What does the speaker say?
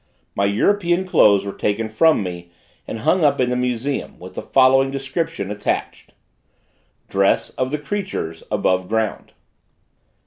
My European clothes were taken from me and hung up in the museum, with the following description attached: DRESS OF THE CREATURES ABOVE GROUND.